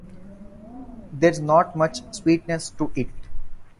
There's not much sweetness to it.